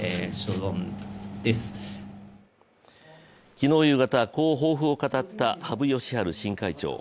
昨日夕方、こう抱負を語った羽生善治新会長。